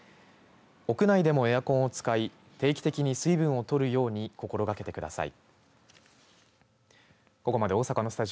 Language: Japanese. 屋内でもエアコンを使い定期的に水分を取るように心掛けてください。